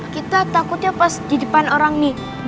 kita takutnya pas di depan orang nih